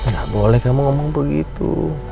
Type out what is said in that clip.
shhh gak boleh kamu ngomong begitu